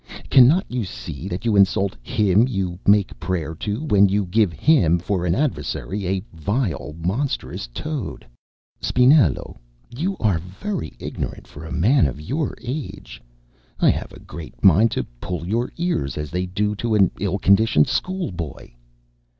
Cannot you see that you insult Him you make prayer to, when you give Him for adversary a vile, monstrous toad? Spinello, you are very ignorant for a man of your age. I have a great mind to pull your ears, as they do to an ill conditioned schoolboy."